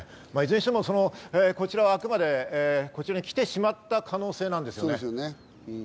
いずれにしても、こちらはあくまでこちらに来てしまった可能性なんですね。